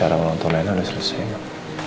acara melontong nenek udah selesai mak